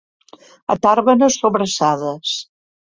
A Tàrbena, sobrassades.